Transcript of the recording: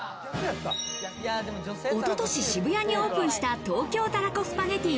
一昨年、渋谷にオープンした、東京たらこスパゲティ